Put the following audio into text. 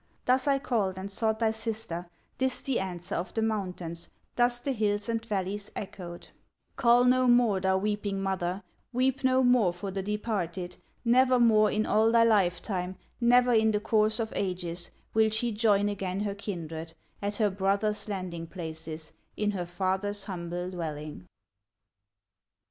"Thus I called, and sought thy sister, This the answer of the mountains, Thus the hills and valleys echoed: 'Call no more, thou weeping mother, Weep no more for the departed; Nevermore in all thy lifetime, Never in the course of ages, Will she join again her kindred, At her brother's landing places, In her father's humble dwelling.